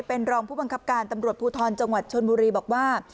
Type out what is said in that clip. เป็นรองผู้บังคับการตำรวจภูทรจังหวัดชนบุรีบอกว่า